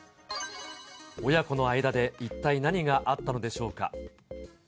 親子の間で一体何があったのでしょうか。